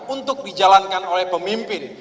untuk dijalankan oleh pemimpin